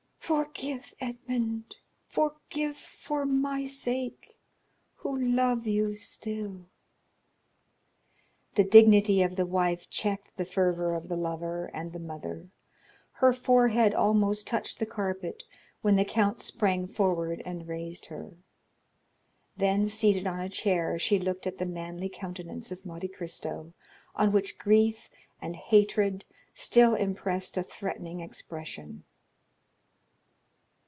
"Forgive, Edmond, forgive for my sake, who love you still!" The dignity of the wife checked the fervor of the lover and the mother. Her forehead almost touched the carpet, when the count sprang forward and raised her. Then seated on a chair, she looked at the manly countenance of Monte Cristo, on which grief and hatred still impressed a threatening expression.